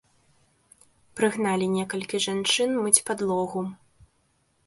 Прыгналі некалькі жанчын мыць падлогу.